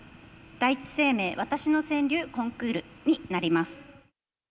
第一生命わたしの川柳コンクールになります。